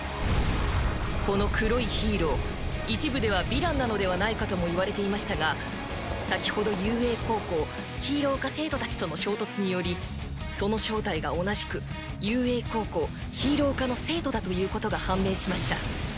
この黒いヒーロー一部ではヴィランなのではないかとも言われていましたが先ほど雄英高校ヒーロー科生徒たちとの衝突によりその正体が同じく雄英高校ヒーロー科の生徒だということが判明しました。